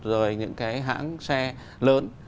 rồi những cái hãng xe lớn